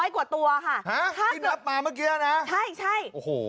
๓๐๐กว่าตัวค่ะถ้าคือใช่โอ้โห